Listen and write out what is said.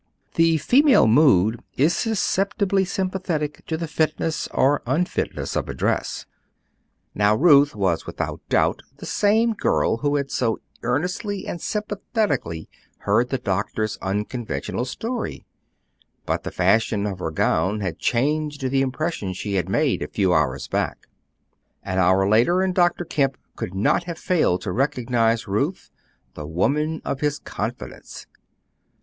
The female mood is susceptibly sympathetic to the fitness or unfitness of dress. Now, Ruth was without doubt the same girl who had so earnestly and sympathetically heard the doctor's unconventional story; but the fashion of her gown had changed the impression she had made a few hours back. An hour later, and Dr. Kemp could not have failed to recognize Ruth, the woman of his confidence.